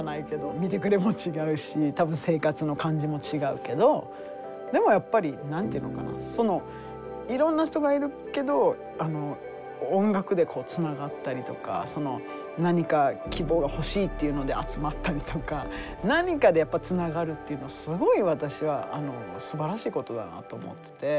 見てくれも違うし多分生活の感じも違うけどでもやっぱり何て言うのかないろんな人がいるけど音楽でこうつながったりとか何か希望が欲しいというので集まったりとか何かでつながるっていうのはすごい私はすばらしいことだなと思ってて。